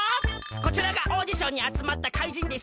こちらがオーディションにあつまった怪人です。